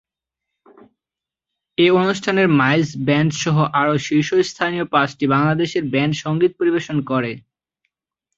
এ অনুষ্ঠানে Miles band সহ আরও শীর্ষস্থানীয় পাঁচটি বাংলাদেশের ব্যান্ড সঙ্গীত পরিবেশন করে।